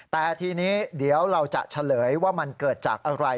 แต่ทีนี้เดี๋ยวเราจะเฉลยว่ามันเกิดจากอะไร